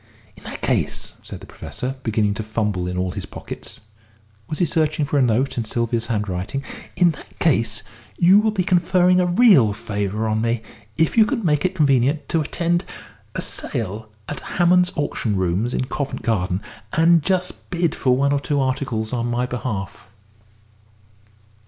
"In that case," said the Professor, beginning to fumble in all his pockets was he searching for a note in Sylvia's handwriting? "in that case, you will be conferring a real favour on me if you can make it convenient to attend a sale at Hammond's Auction Rooms in Covent Garden, and just bid for one or two articles on my behalf."